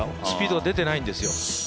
スピードが出てないんですよ、